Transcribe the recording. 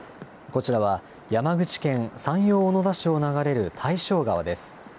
こちらは山口県山陽小野田市を流れる大正川です。